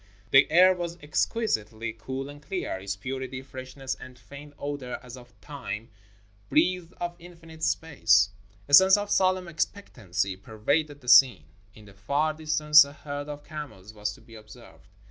The air was exquisitely cool and clear — its purity, freshness, and faint odor, as of thyme, breathed of infinite space. A sense of solemn expectancy pervaded the scene. In the far distance a herd of camels was to be observed.